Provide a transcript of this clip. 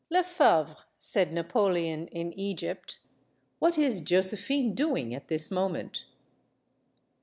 "Lefebvre," said Napoleon, in Egypt, "what is Jo sephine doing at this moment?"